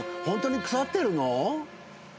ホントに腐ってるの？